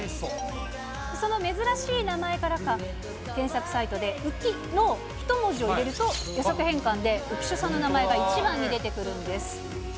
その珍しい名前からか、検索サイトで浮の一文字を入れると、予測変換で浮所さんの名前が一番に出てくるんです。